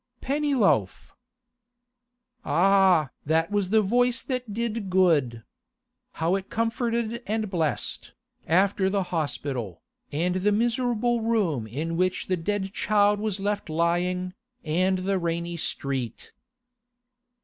'Pennyloaf!' Ah! that was the voice that did good. How it comforted and blessed, after the hospital, and the miserable room in which the dead child was left lying, and the rainy street!